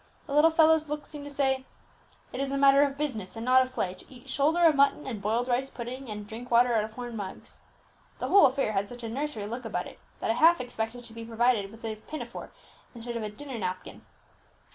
The little fellows' looks seemed to say, 'It is a matter of business, and not of play, to eat shoulder of mutton and boiled rice pudding, and drink water out of horn mugs.' The whole affair had such a nursery look about it, that I half expected to be provided with a pinafore, instead of a dinner napkin."